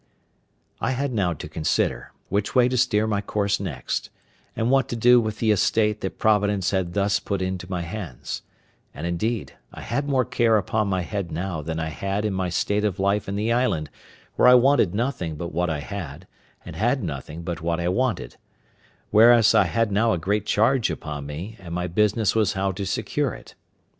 I had now to consider which way to steer my course next, and what to do with the estate that Providence had thus put into my hands; and, indeed, I had more care upon my head now than I had in my state of life in the island where I wanted nothing but what I had, and had nothing but what I wanted; whereas I had now a great charge upon me, and my business was how to secure it.